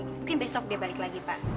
mungkin besok dia balik lagi pak